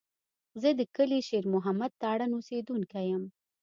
زه د کلي شېر محمد تارڼ اوسېدونکی یم.